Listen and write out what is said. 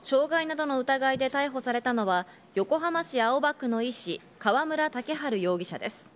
傷害などの疑いで逮捕されたのは、横浜市青葉区の医師、河村岳晴容疑者です。